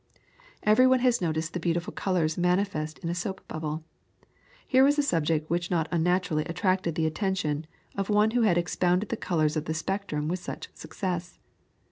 Every one has noticed the beautiful colours manifested in a soap bubble. Here was a subject which not unnaturally attracted the attention of one who had expounded the colours of the spectrum with such success.